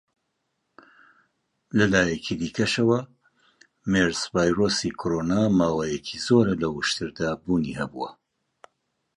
لە لایەکی دیکەشەوە، مێرس-ڤایرۆسی کۆڕۆنا ماوەیەکی زۆرە لە وشتردا بوونی هەبووە.